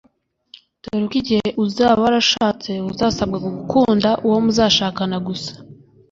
dore ko igihe uzaba warashatse uzasabwa gukunda uwo muzashakana gusa